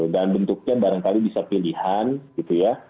dan bentuknya barangkali bisa pilihan gitu ya